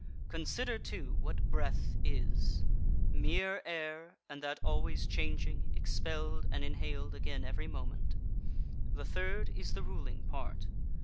Consider, too, what breath is mere air, and that always changing, expelled and inhaled again every moment. The third is the ruling part.